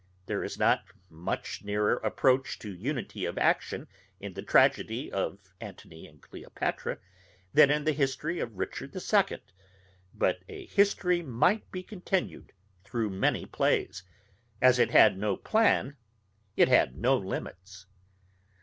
There is not much nearer approach to unity of action in the tragedy of Antony and Cleopatra, than in the history of Richard the Second. But a history might be continued through many plays; as it had no plan, it had no limits.